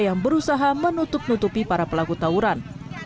yang berusaha menutup nutupi para pelaku tawuran